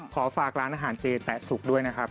ขอฝากร้านอาหารเจแตะสุกด้วยนะครับ